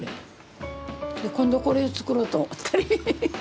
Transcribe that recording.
今度これ作ろうと思ったり。